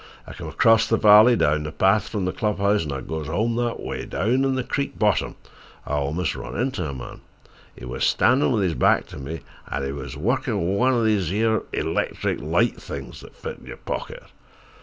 I come across the valley, along the path from the club house, and I goes home that way. Down in the creek bottom I almost run into a man. He wuz standin' with his back to me, an' he was workin' with one of these yere electric light things that fit in yer pocket.